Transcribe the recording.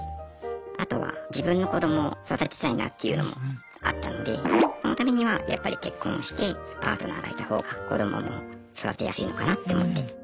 あとは自分の子供を育てたいなっていうのもあったのでそのためにはやっぱり結婚してパートナーがいた方が子どもも育てやすいのかなって思って。